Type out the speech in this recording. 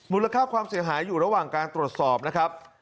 ค่าความเสียหายอยู่ระหว่างการตรวจสอบนะครับ